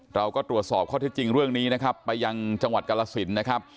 เราก็ตรวจสอบข้อที่จริงเรื่องนี้นะครับไปยังจังหวัดกรสินนะครับ